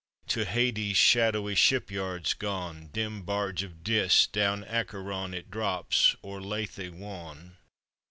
To Hades' shadowy shipyards gone, Dim barge of Dis, down Acheron It drops, or Lethe wan.